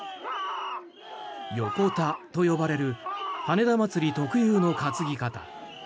ヨコタと呼ばれる羽田まつり特有の担ぎ方。